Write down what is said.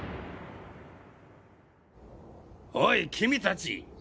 おい君たち！